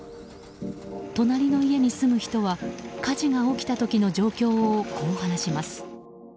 隣の家に住む人は火事が起きた時の状況をこう話します。